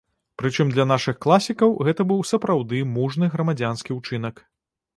Прычым для нашых класікаў гэта быў сапраўды мужны грамадзянскі ўчынак.